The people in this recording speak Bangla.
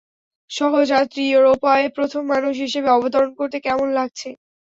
সহযাত্রী, ইউরোপায় প্রথম মানুষ হিসেবে অবতরণ করতে কেমন লাগছে?